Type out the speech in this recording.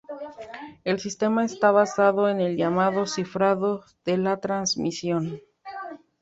El sistema está basado en el llamado Cifrado de la Transmisión.